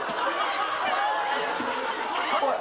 「おい。